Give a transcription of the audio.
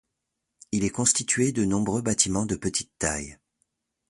Il est constitué de nombreux bâtiments de petite taille.